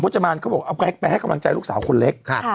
พ๑๙๔ก็ไปให้กำลังจัยลูกสาวคนเล็ก